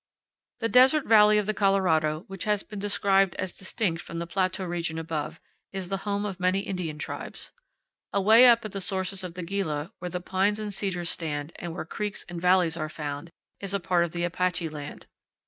The desert valley of the Colorado, which has been described as distinct from the plateau region above, is the home of many Indian tribes. Away up at the sources of the Gila, where the pines and cedars stand and where creeks and valleys are found, is a part of the Apache land.